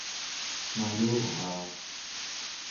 mayuraa